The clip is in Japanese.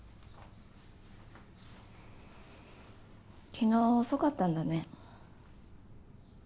昨日遅かったんだね。